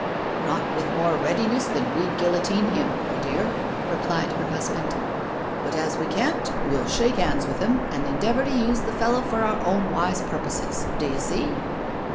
" Not with more readiness than we'd guillotine him, my dear," replied her husband. " But as we can't, we'll shaJce hands with him and endeavour to use the fellow for our own wise purposes — do you see?''